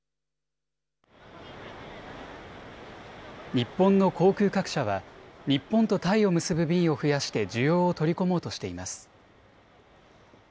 日本の航空各社は日本とタイを結ぶ便を増やして需要を取り込もうとしています。